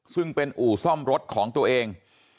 ซึ่งเป็นอู่ซ่อมรถของตัวเอง